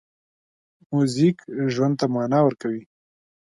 موزیک ژوند ته مانا ورکوي.